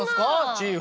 チーフ。